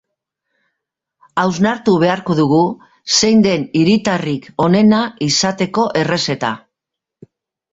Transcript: Hausnartu beharko dugu, zein den hiritarrik onena izateko errezeta.